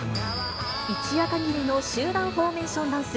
一夜かぎりの集団フォーメーションダンス。